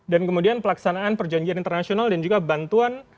dan kemudian pelaksanaan perjanjian internasional dan juga bantuan